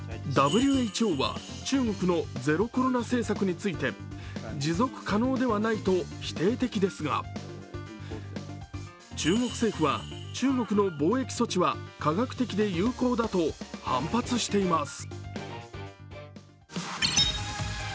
ＷＨＯは中国のゼロコロナ政策について、持続可能ではないと否定的ですが中国政府は、中国の防疫措置は科学的で有効だと反発しています。